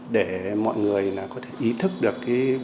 để mọi người có thể ý thức được